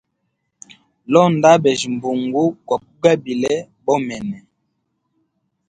Londa abejya mbungu gwakugabile bomene.